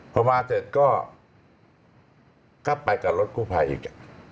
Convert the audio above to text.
พอมาเสร็จก็ไปกับรถกู้ภัยอีก